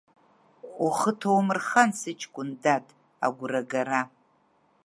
Ухы ҭоумырхан, сыҷкәын дад, Агәрагара…